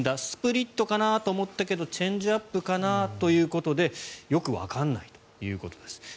スプリットかなと思ったけどチェンジアップかなということでよくわからないということです。